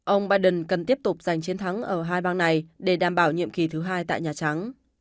ông biden cần tiếp tục giành chiến thắng ở hai bang này để đảm bảo nhiệm kỳ thứ hai tại nhà trắng